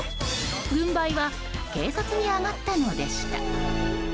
軍配は警察に上がったのでした。